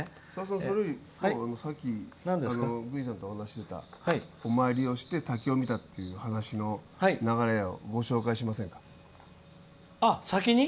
それより、さっき宮司さんとお話ししてたお参りをして滝を見たっていう話の流れをご紹介しませんか。